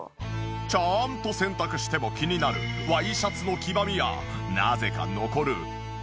ちゃんと洗濯しても気になるワイシャツの黄ばみやなぜか残る嫌なニオイ。